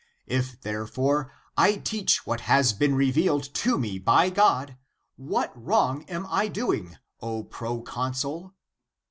If, therefore, I teach what has been revealed to me by God, what wrong am I doing, O proconsul?"